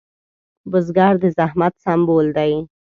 بزګر د زحمت سمبول دی